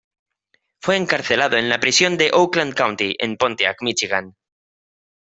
Fue encarcelado en la prisión de Oakland County, en Pontiac, Míchigan.